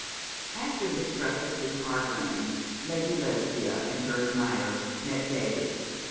After this breakfast in Park Lane Lady Lesbia and her admirer met daily.